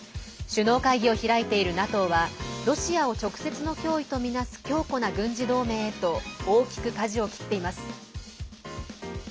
首脳会議を開いているＮＡＴＯはロシアを直接の脅威とみなす強固な軍事同盟へと大きくかじを切っています。